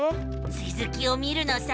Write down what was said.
つづきを見るのさ！